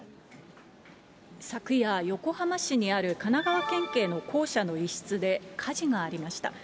昨夜、横浜市にある神奈川県警の公舎の一室で火事がありました。